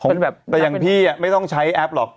ผมแบบแต่อย่างพี่ไม่ต้องใช้แอปหรอก